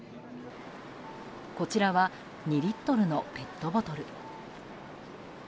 こちらは２リットルのペットボトル。